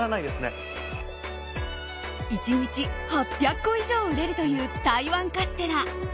１日８００個以上売れるという台湾カステラ。